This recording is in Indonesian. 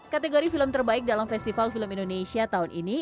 kategori film terbaik dalam festival film indonesia tahun ini